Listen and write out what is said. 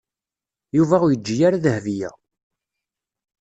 Yuba ur yeǧǧi ara Dahbiya.